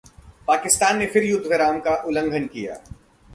पाकिस्तान ने फिर युद्धविराम का उल्लंघन किया